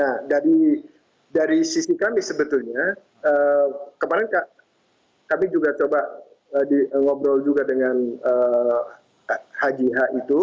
nah dari sisi kami sebetulnya kemarin kami juga coba ngobrol juga dengan hgh itu